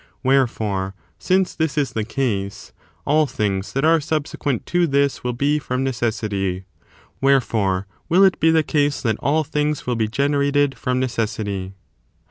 Wherefore, since this is the case, all things that are subsequent to this will be from necessity : wherefore, will it be the case that all things will be generated from necessity.